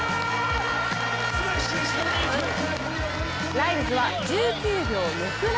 ライルズは１９秒６７。